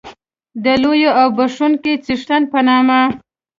د لوی او بښوونکي څښتن په نامه.